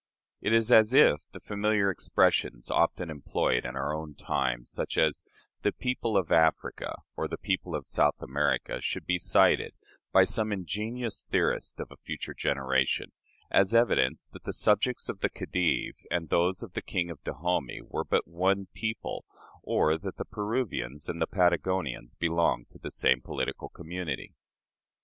It is as if the familiar expressions often employed in our own time, such as "the people of Africa," or "the people of South America," should be cited, by some ingenious theorist of a future generation, as evidence that the subjects of the Khedive and those of the King of Dahomey were but "one people," or that the Peruvians and the Patagonians belonged to the same political community.